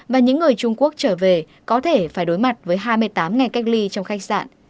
và những người trung quốc trở về có thể phải đối mặt với hai mươi tám ngày cách ly trong khách sạn